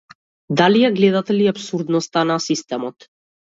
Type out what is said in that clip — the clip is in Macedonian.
Дали ја гледате ли апсурдноста на системот?